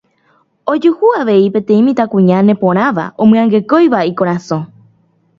Ojuhu avei peteĩ mitãkuña neporãva omyangekóiva ikorasõ.